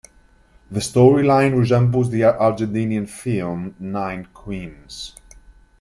The storyline resembles the Argentinian film "Nine Queens".